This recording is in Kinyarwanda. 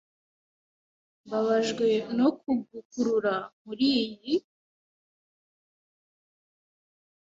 Mbabajwe no kugukurura muriyi.